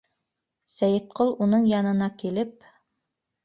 Сәйетҡол уның янына килеп: